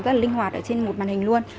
rất là linh hoạt ở trên một màn hình luôn